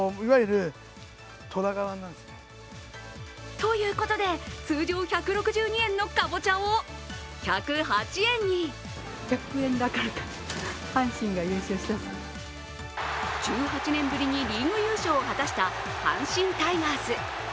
ということで通常１６２円のかぼちゃを１０８円に１８年ぶりにリーグ優勝を果たした阪神タイガース。